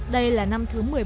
đây là năm thứ một mươi bốn